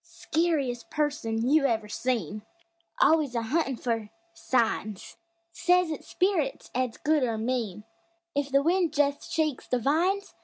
Skeeriest person you ever seen! Always a huntin' fer "signs"; Says it's "spirits" 'at's good, or mean, If the wind jest shakes the vines!